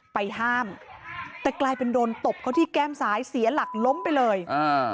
ไปห้ามแต่กลายเป็นโดนตบเขาที่แก้มซ้ายเสียหลักล้มไปเลยอ่า